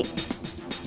aku berani jamin sekar